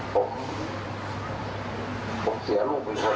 ตามันไหลโดยที่เราไม่ได้ตั้งใจคุณรอ